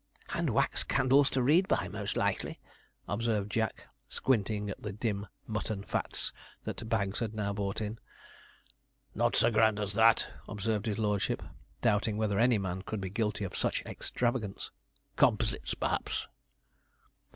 'And wax candles to read by, most likely,' observed Jack, squinting at the dim mutton fats that Baggs now brought in. 'Not so grand as that,' observed his lordship, doubting whether any man could be guilty of such extravagance; 'composites, p'raps.'